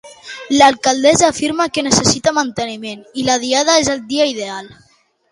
L'alcaldessa afirma que necessita manteniment i que la diada és el dia ideal.